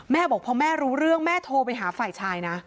บอกพอแม่รู้เรื่องแม่โทรไปหาฝ่ายชายนะ